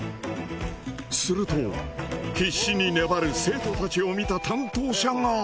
すると必死に粘る生徒たちを見た担当者が。